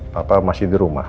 papa masih di rumah